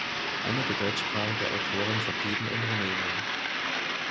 Einige deutschsprachige Autoren verblieben in Rumänien.